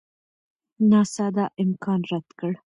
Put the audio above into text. ناسا دا امکان رد کړ.